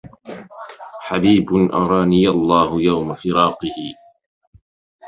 حبيب أراني الله يوم فراقه